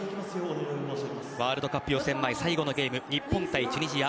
ワールドカップ予選前最後のゲーム日本対チュニジア。